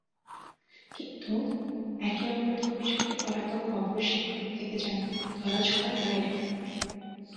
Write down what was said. কিন্তু একই অপরাধে অভিযুক্ত পলাতক অপর শিক্ষক থেকে যান ধরাছোঁয়ার বাইরে।